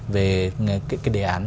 về cái đề án